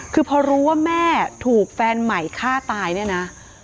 คือพอรู้ว่าแม่ถูกแฟนใหม่ฆ่าตายเนี่ยนะ